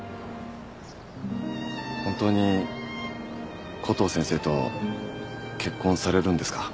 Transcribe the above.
本当にコトー先生と結婚されるんですか？